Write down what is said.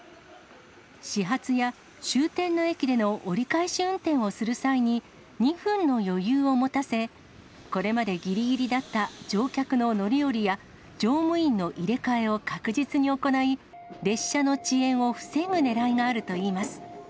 始発や終点の駅での折り返し運転をする際に２分の余裕を持たせ、これまでぎりぎりだった乗客の乗り降りや乗務員の入れ替えを確実に行い、列車の遅延を防ぐねらいがあるといいます。